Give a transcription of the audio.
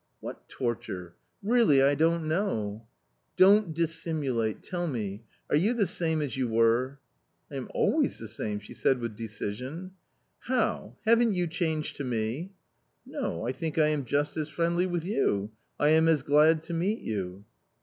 " What torture ? really I don't know." " Don't dissimulate ; tell me. Are you the same as you were ?"" I am always the same !" she said with decision. " How ! haven't you changed to me ?"" No ; I think I am just as friendly with you; I am as glad to meet you."